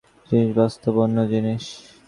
কাগজপত্রে রহস্য ভেদ করা এক জিনিস, বাস্তব অন্য জিনিস।